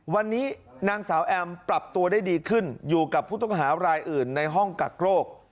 วันนี้นางสาวแอมปรับตัวได้ดีขึ้นอยู่กับผู้ต้องหารายอื่นในห้องกักโรค